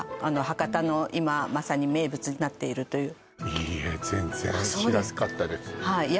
博多の今まさに名物になっているといういいえ